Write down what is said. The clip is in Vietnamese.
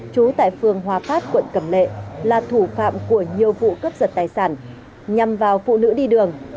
trú tại phường hòa phát quận cẩm lệ là thủ phạm của nhiều vụ cướp giật tài sản nhằm vào phụ nữ đi đường